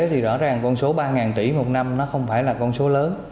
thì rõ ràng con số ba tỷ một năm nó không phải là con số lớn